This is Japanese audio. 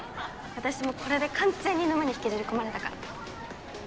私もこれで完全に沼に引きずり込まれたから！